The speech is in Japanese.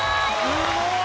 すごい！